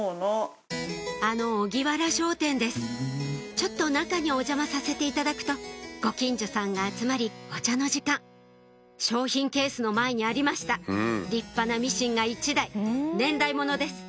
ちょっと中にお邪魔させていただくとご近所さんが集まりお茶の時間商品ケースの前にありました立派なミシンが１台年代物です